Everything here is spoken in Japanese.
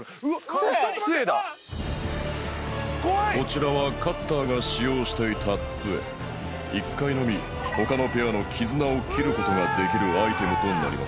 こちらはカッターが使用していた杖１回のみ他のペアの黄綱を切ることができるアイテムとなりま